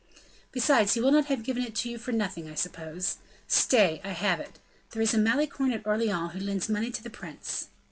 "Besides he will not have given it to you for nothing, I suppose. Stay, I have it; there is a Malicorne at Orleans who lends money to the prince."